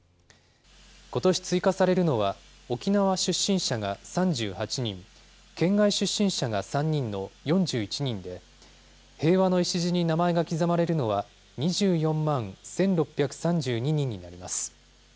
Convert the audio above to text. ことし追加されるのは、沖縄出身者が３８人、県外出身者が３人の４１人で、平和の礎に名前が刻まれるのは、２４万１６３２人になります。